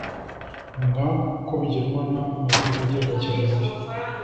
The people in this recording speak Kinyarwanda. nk uko bigenwa n Amategeko agenga Kiliziya